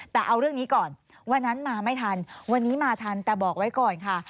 แต่เอาเรื่องนี้ก่อนวันนั้นมาไม่ทันวันนี้มาทันแต่บอกไว้ก่อนค่ะ